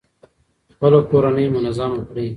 خپله کورنۍ منظمه کړئ.